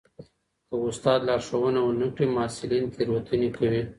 که استاد لارښوونه ونه کړي محصلین تېروتنې کوي.